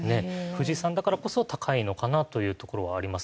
藤井さんだからこそ高いのかなというところはあります。